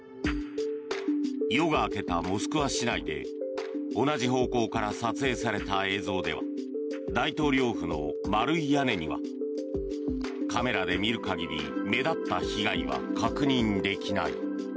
夜が明けたモスクワ市内で同じ方向から撮影された映像では大統領府の丸い屋根にはカメラで見る限り目立った被害は確認できない。